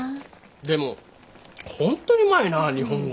でもほんとにうまいな日本語。